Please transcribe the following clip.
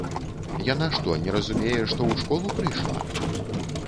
Яна што не разумее, што ў школу прыйшла?